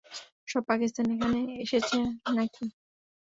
সব পাকিস্তানী এখানে এসেছে নাকি?